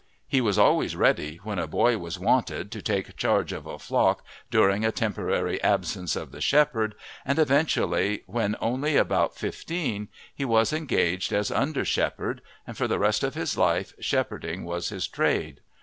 He was always ready when a boy was wanted to take charge of a flock during a temporary absence of the shepherd, and eventually, when only about fifteen, he was engaged as under shepherd, and for the rest of his life shepherding was his trade.